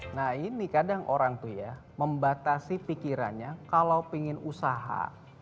nah ini kadang orang tuh ya membatasi pikirannya kalau ingin usaha